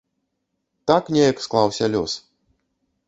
Так неяк склаўся лёс.